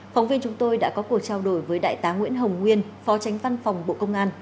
phóng viên chúng tôi đã có cuộc trao đổi với đại tá nguyễn hồng nguyên phó tránh văn phòng bộ công an